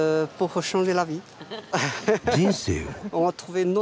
人生を。